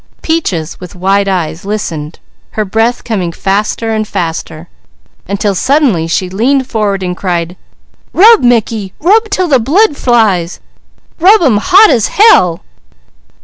Peaches with wide eyes listened, her breath coming faster and faster, until suddenly she leaned forward and cried: "Rub, Mickey! Rub 'til the blood flies! Rub 'em hot as hell!"